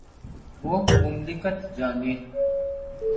وہ مملکت جانے۔